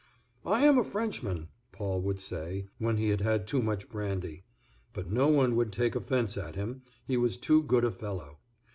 "I am a Frenchman," Paul would say, when he had had too much brandy; but no one would take offence at him, he was too good a fellow.